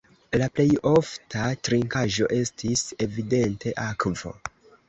La plej ofta trinkaĵo estis evidente akvo.